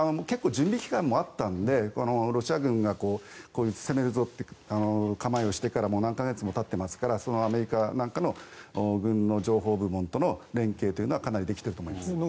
結構、準備期間もあったのでロシア軍が攻めるぞって構えをしてから何か月もたっていますからアメリカの軍の情報部門との連携というのはかなりできていると思います。